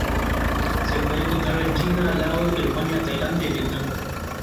Se puede encontrar en China, Laos, Birmania, Tailandia, y Vietnam.